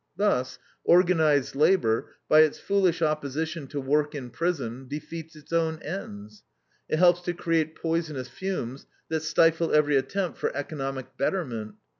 Thus organized labor, by its foolish opposition to work in prison, defeats its own ends. It helps to create poisonous fumes that stifle every attempt for economic betterment.